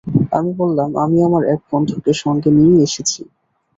আমি বললাম, আমি আমার এক বন্ধুকে সঙ্গে নিয়ে এসেছি।